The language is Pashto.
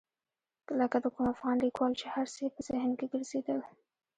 لکه د کوم افغان لیکوال چې هر څه یې په ذهن کې ګرځېدل.